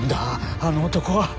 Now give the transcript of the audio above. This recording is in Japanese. あの男は！